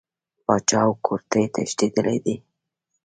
پاچا او کورنۍ تښتېدلي دي.